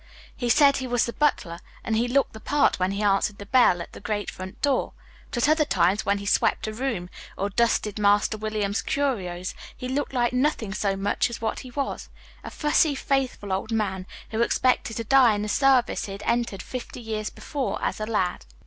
He said he was the butler; and he looked the part when he answered the bell at the great front door. But at other times, when he swept a room, or dusted Master William's curios, he looked like nothing so much as what he was: a fussy, faithful old man, who expected to die in the service he had entered fifty years before as a lad.